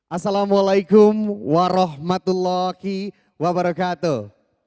assalamualaikum warahmatullahi wabarakatuh